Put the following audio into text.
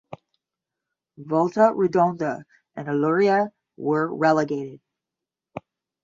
Volta Redonda and Olaria were relegated.